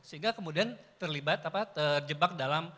sehingga kemudian terlibat terjebak dalam